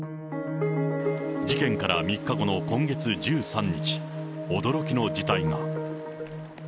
事件から３日後の今月１３日、驚きの事態が。